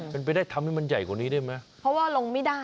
เป็นไปได้ทำให้มันใหญ่กว่านี้ได้ไหมเพราะว่าลงไม่ได้